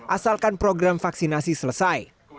asalkan program vaksinasi selesai